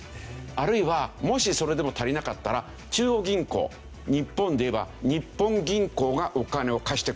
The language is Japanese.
あるいはもしそれでも足りなかったら中央銀行日本でいえば日本銀行がお金を貸してくれる。